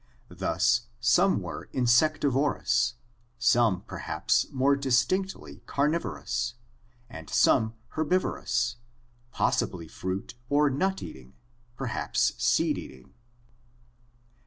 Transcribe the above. Thus some were insectiv orous, some perhaps more distinctly carnivorous, and some herbiv orous, possibly fruit or nut eating (seed eating?).